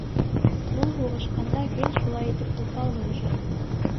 Ул, һуғышҡанда, гел шулай итеп уҫал һуғыша ине.